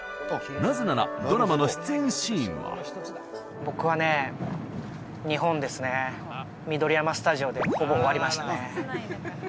なぜならドラマの出演シーンは僕はね緑山スタジオでほぼ終わりましたね